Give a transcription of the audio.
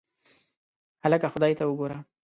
هکله خدای ته وګوره.